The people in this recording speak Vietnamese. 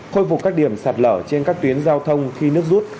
khôi phục các điểm sạt lở trên các tuyến giao thông khi nước rút